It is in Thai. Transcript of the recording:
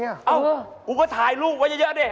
เอ้ากูก็ถ่ายรูปไว้เยอะดิ